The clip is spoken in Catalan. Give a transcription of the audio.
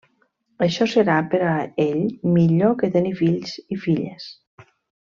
Això serà per a ell millor que tenir fills i filles.